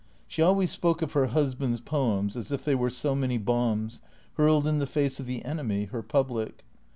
She always spoke of her husband's poems as if they were so many bombs, hurled in the face of the enemy, her public.